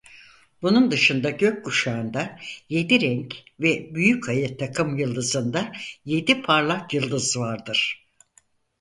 Bunun dışında gökkuşağında yedi renk ve Büyükayı takımyıldızında yedi parlak yıldız vardır.